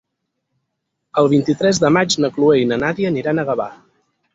El vint-i-tres de maig na Chloé i na Nàdia aniran a Gavà.